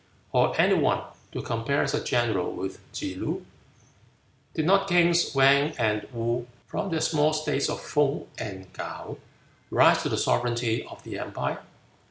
or any one to compare as a general with Tsze loo? Did not kings Wan and Woo, from their small states of Fung and Kaou, rise to the sovereignty of the empire?